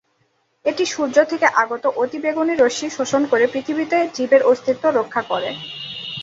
এটি সূর্য থেকে আগত অতিবেগুনি রশ্মি শোষণ করে পৃথিবীতে জীবের অস্তিত্ব রক্ষা করে।